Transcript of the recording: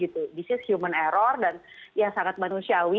this is human error dan ya sangat manusiawi